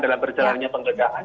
dalam berjalannya penggeledahan